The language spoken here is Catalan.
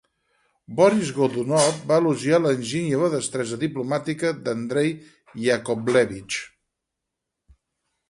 Boris Godunov va elogiar l'enginy i la destresa diplomàtica d'Andrey Yakovlevich.